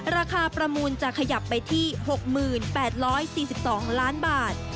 ประมูลจะขยับไปที่๖๘๔๒ล้านบาท